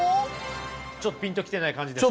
ちょっとピンと来てない感じですね。